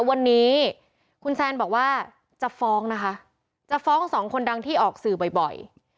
วันนี้คุณแซนบอกว่าจะฟ้องนะคะจะฟ้องสองคนดังที่ออกสื่อบ่อย